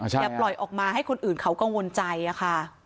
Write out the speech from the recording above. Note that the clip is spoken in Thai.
อย่าปล่อยออกมาให้คนอื่นเขากังวลใจอะค่ะ